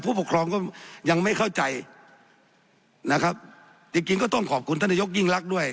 ผู้ปกครองก็ยังไม่เข้าใจนะครับจริงจริงก็ต้องขอบคุณท่านนายกยิ่งรักด้วย